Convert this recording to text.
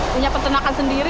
punya peternakan sendiri